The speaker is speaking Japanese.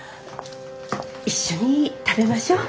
一緒に食べましょう。